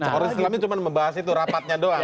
nah poros islam ini cuma membahas itu rapatnya doang